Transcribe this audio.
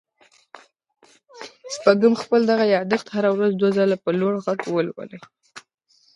شپږم خپل دغه ياداښت هره ورځ دوه ځله په لوړ غږ ولولئ.